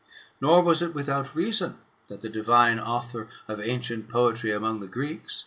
Nor was it without reason that the divine author of ancient poetry among the Greeks [i.